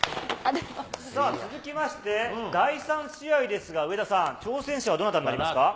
続きまして、第３試合ですが、上田さん、挑戦者はどなたになりますか？